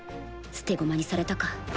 捨て駒にされたか